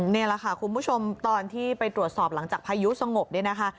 นี่แหละค่ะคุณผู้ชมตอนที่ไปตรวจสอบหลังจากพายุสงบเนี่ยนะคะ